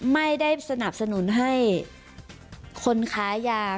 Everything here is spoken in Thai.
ไม่ได้สนับสนุนให้คนค้ายา